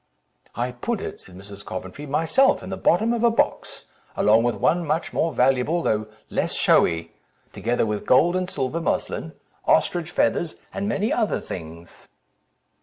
"I put it," said Mrs. Coventry, "myself in the bottom of a box, along with one much more valuable, though less showy, together with gold and silver muslin, ostrich feathers, and many other things."